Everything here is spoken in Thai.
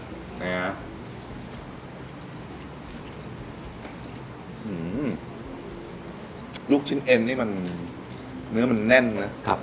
อื้อหื้อหื้อลูกชิ้นเอ็นนี่เนื้อมันแน่นนะ